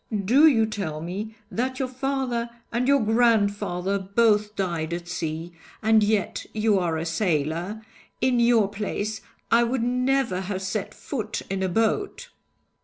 Do you tell me that your father and your grandfather both died at sea, and yet you are a sailor? In your place, I would never have set foot in a boat!'